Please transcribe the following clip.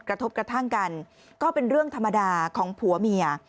กระทบกระทั่งกันก็เป็นเรื่องธรรมดาของผัวเมีย